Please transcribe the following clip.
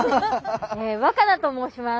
若渚と申します